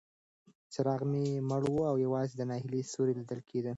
څراغ مړ و او یوازې د ناهیلۍ سیوري لیدل کېدل.